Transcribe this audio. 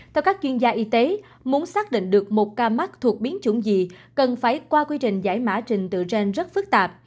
theo các chuyên gia y tế muốn xác định được một ca mắc thuộc biến chủng gì cần phải qua quy trình giải mã trình tự gen rất phức tạp